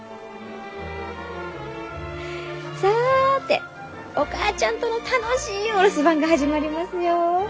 さてお母ちゃんとの楽しいお留守番が始まりますよ！